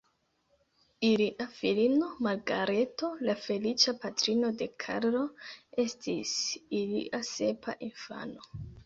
Ilia filino Margareto, la feliĉa patrino de Karlo, estis ilia sepa infano.